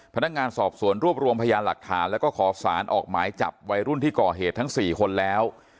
พนักงานสอบสวนรวบรวมพยานหลักฐานแล้วก็ขอสารออกหมายจับวัยรุ่นที่ก่อเหตุทั้ง๔คนแล้ว